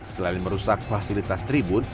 selain merusak fasilitas tribun